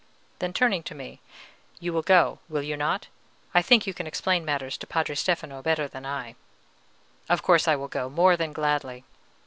Then, turning to me, "You will go, will you not? I think you can explain matters to Padre Stefano better than I." "Of course I will go, more than gladly."